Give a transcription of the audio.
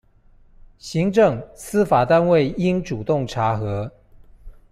行政、司法單位應主動查核